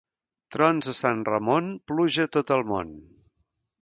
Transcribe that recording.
Trons a Sant Ramon, pluja a tot el món.